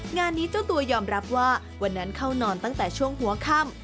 งานนี้เจ้าตัวยอมรับว่าวันนั้นเข้านอนตั้งแต่ช่วงหัวค่ำ